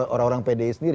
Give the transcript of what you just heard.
orang orang pdi sendiri